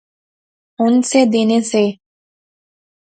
ہن سے دینے سے